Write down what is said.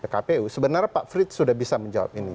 di pkpu sebenarnya pak frits sudah bisa menjawab ini